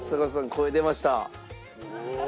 声出ました。